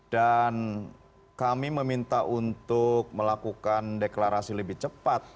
dan kami meminta untuk melakukan deklarasi lebih cepat